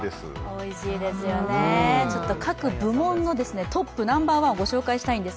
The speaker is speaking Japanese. おいしいですよね、各部門のトップ、ナンバーワンをご紹介します。